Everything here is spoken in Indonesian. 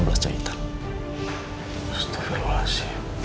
lalu saya diperoloh